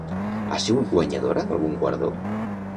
Ha sigut guanyadora d'algun guardó?